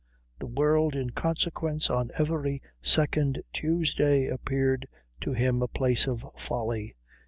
The world in consequence on every second Tuesday appeared to him a place of folly.